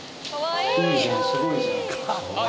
いいじゃんすごいじゃんあっ